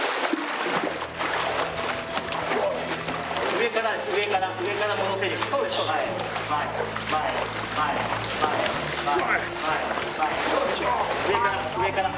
上から上から上から上から。